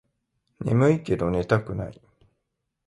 ねむいけど寝たくない